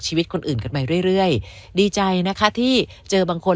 ชีวิตคนอื่นกันไปเรื่อยเรื่อยดีใจนะคะที่เจอบางคน